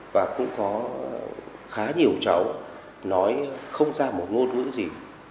và cũng có khá nhiều cháu nói không ra một ngôn ngữ gì